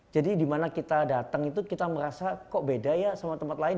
jadi dimana kita datang itu kita merasa kok beda ya sama tempat lain